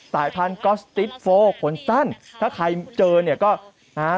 พันธุ์ก๊อสติฟโฟขนสั้นถ้าใครเจอเนี่ยก็นะฮะ